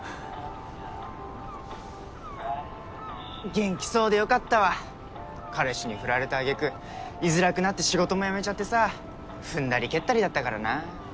元気そうでよかったわ彼氏にフラれたあげくいづらくなって仕事も辞めちゃってさ踏んだり蹴ったりだったからな